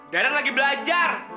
darang lagi belajar